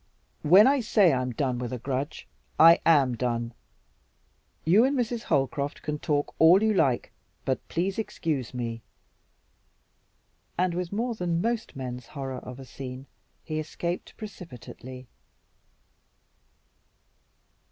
When I say I'm done with a grudge, I AM done. You and Mrs. Holcroft can talk all you like, but please excuse me," and with more than most men's horror of a scene, he escaped precipitately.